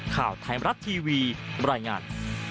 ข่าวไทมรับทีวีรายงาน